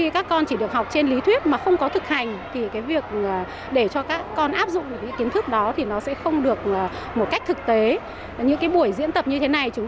các con có thể linh hoạt xử lý những tình huống đầu tiên là bảo vệ bản thân mình